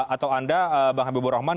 atau anda bang habibur rahman